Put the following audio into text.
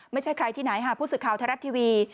ไม่ใช่ใครที่ไหนค่ะผู้ศึกข่าวทะเล็กทีวี